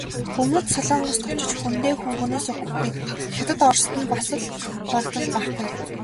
Өмнөд Солонгост очиж хүндээ хөнгөнөөс өгөхгүй, Хятад, Орост нь бас л магадлал байхгүй.